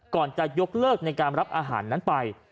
ก่อนจะยกเลิกในการรับอาหารนั้นไป